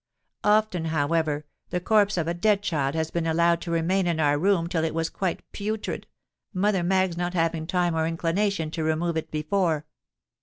Often, however, the corpse of a dead child has been allowed to remain in our room till it was quite putrid, Mother Maggs not having time or inclination to remove it before.